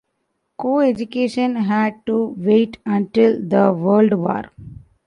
Coeducation had to wait until the World War.